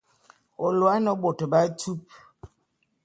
Ô lôô ane bôt b'atupe.